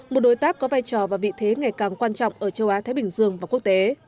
một đối tác có vai trò và vị thế ngày càng quan trọng ở châu á thái bình dương và quốc tế